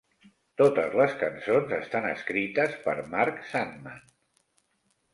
Totes les cançons estan escrites per Mark Sandman.